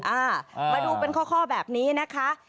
อ่ามาดูเป็นข้อแบบนี้นะคะ